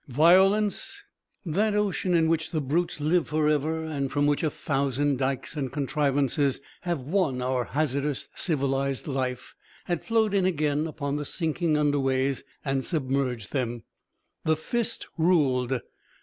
Violence, that ocean in which the brutes live for ever, and from which a thousand dykes and contrivances have won our hazardous civilised life, had flowed in again upon the sinking underways and submerged them. The fist ruled.